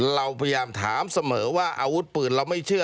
เราพยายามถามเสมอว่าอาวุธปืนเราไม่เชื่อ